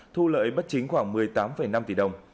thu lợi bất chính khoảng một mươi tám năm tỷ đồng